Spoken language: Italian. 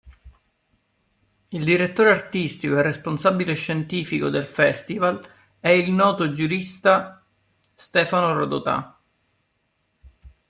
Il direttore artistico e responsabile scientifico del festival è il noto giurista Stefano Rodotà.